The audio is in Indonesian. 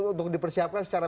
untuk dipersiapkan secara